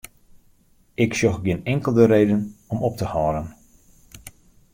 Ik sjoch gjin inkelde reden om op te hâlden.